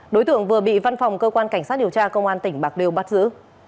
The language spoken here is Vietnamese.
đối tượng vừa bị văn phòng cơ quan cảnh sát điều tra công an tỉnh bạc liêu bắt giữ